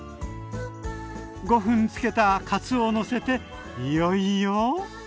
５分つけたかつおをのせていよいよ？